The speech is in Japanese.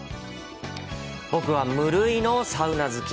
僕は無類のサウナ好き。